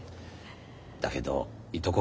だけどいとこ